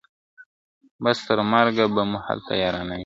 بس تر مرګه به مو هلته یارانه وي ..